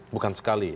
bukan sekali ya